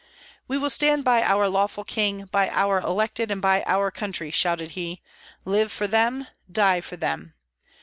"We will stand by our lawful king, by our elected, and by our country," shouted he; "live for them, die for them!